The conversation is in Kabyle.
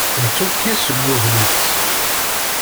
D tukkist deg udlis.